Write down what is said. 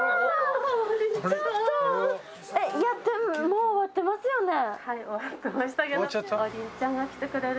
もう終わってますよね？